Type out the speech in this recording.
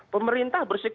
pemerintah bersih keras